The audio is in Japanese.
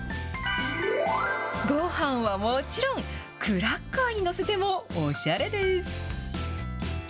ごはんはもちろん、クラッカーに載せてもおしゃれです。